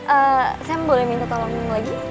eh sam boleh minta tolong gue lagi